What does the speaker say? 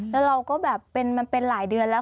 แล้วเราก็แบบมันเป็นหลายเดือนแล้ว